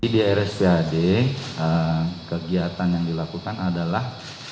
di rspad kegiatan yang dilakukan adalah